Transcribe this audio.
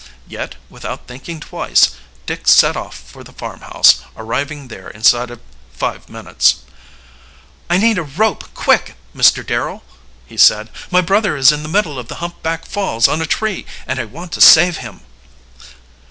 Yet, without thinking twice, Dick set off for the farmhouse, arriving there inside of five minutes. "I need a rope, quick, Mr. Darrel," he said. "My brother is in the middle of the Humpback Falls on a tree, and I want to save him."